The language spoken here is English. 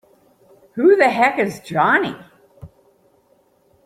Who the heck is Johnny?!